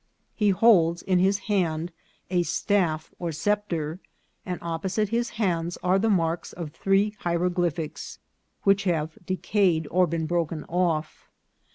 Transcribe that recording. He holds in his hand a staff or sceptre, and opposite his hands are the marks of three hieroglyphics, which have decayed or been broken off.